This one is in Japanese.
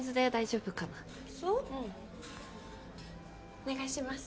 お願いします。